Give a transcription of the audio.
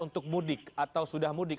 untuk mudik atau sudah mudik